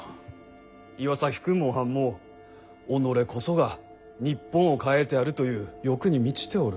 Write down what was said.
岩崎君もおはんも己こそが日本を変えてやるという欲に満ちておる。